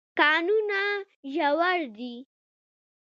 کانونه ژور دي.